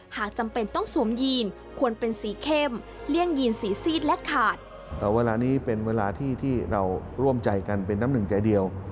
หากจำเป็นต้องสวมยีนควรเป็นสีเข้มเรี่ยงยีนสีซีดและขาด